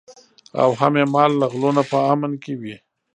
او هم یې مال له غلو نه په امن کې وي.